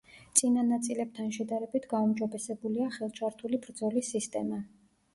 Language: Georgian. წინა ნაწილებთან შედარებით გაუმჯობესებულია ხელჩართული ბრძოლის სისტემა.